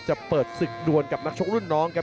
จะเปิดศึกดวนกับนักชกรุ่นน้องครับ